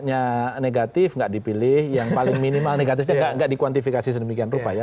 banyaknya negatif enggak dipilih yang paling minimal negatifnya enggak dikuantifikasi sedemikian rupa ya